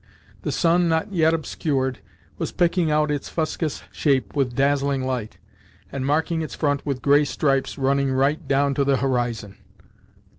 The sun, not yet obscured, was picking out its fuscous shape with dazzling light, and marking its front with grey stripes running right down to the horizon.